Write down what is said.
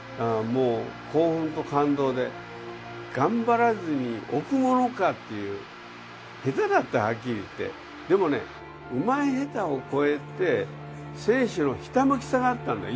もう興奮と感動で頑張らずにおくものかっていうヘタだったはっきり言ってでもねうまいヘタを超えて選手のひたむきさがあったんだよ